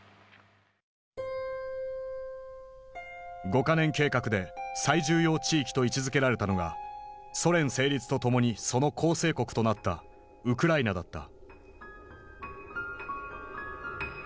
五か年計画で最重要地域と位置づけられたのがソ連成立とともにその構成国となったウクライナだった。